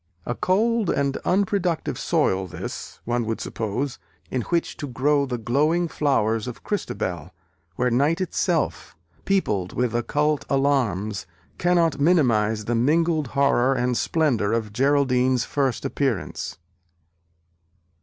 A cold and unproductive soil this, one would suppose, in which to grow the glowing flowers of Christabel, where night itself, peopled with occult alarms, cannot minimise the mingled horror and splendour of Geraldine's first appearance.